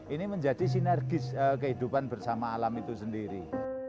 ini menjadi sinergis kehidupan bersama alam itu sendiri